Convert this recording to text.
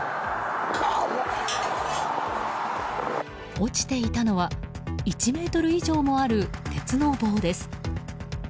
落ちていたのは１ｍ以上もある鉄の棒です。